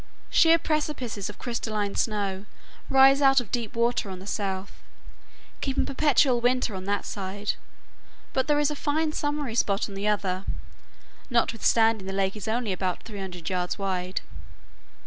Sheer precipices of crystalline snow rise out of deep water on the south, keeping perpetual winter on that side, but there is a fine summery spot on the other, notwithstanding the lake is only about 300 yards wide.